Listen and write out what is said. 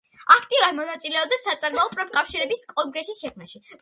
აქტიურად მონაწილეობდა საწარმოო პროფკავშირების კონგრესის შექმნაში.